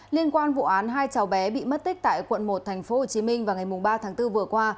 liên quan vụ án hai cháu bé bị mất tích tại quận một tp hcm vào ngày ba tháng bốn vừa qua